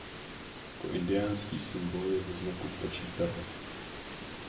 Jako indiánský symbol je ve znaku ptačí pero.